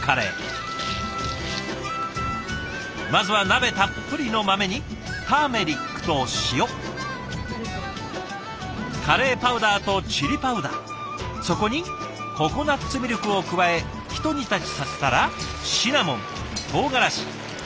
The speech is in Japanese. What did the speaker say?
まずは鍋たっぷりの豆にターメリックと塩カレーパウダーとチリパウダーそこにココナツミルクを加えひと煮立ちさせたらシナモンとうがらしたまねぎ